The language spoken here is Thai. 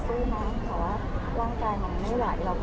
เดือนนี้มันกำลังทำบุตรมันดึงลันจริง